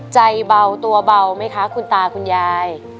ใจเบาตัวเบาไหมคะคุณตาคุณยาย